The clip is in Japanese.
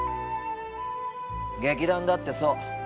劇団だってそう。